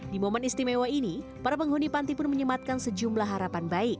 di momen istimewa ini para penghuni panti pun menyematkan sejumlah harapan baik